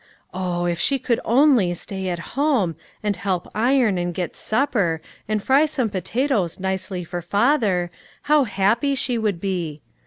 Oh ! if she could only stay at home, and help iron, and get supper, and fry some potatoes nicely for father, how happy she would be.